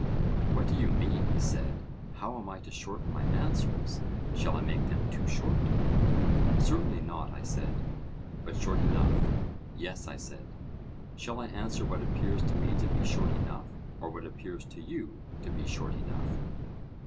What do you mean? he said: how am I to shorten my answers? shall I make them too short? Certainly not, I said. But short enough? Yes, I said. Shall I answer what appears to me to be short enough, or what appears to you to be short enough?